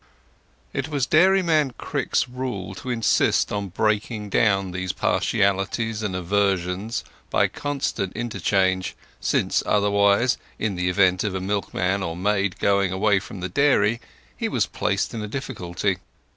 It was Dairyman Crick's rule to insist on breaking down these partialities and aversions by constant interchange, since otherwise, in the event of a milkman or maid going away from the dairy, he was placed in a difficulty.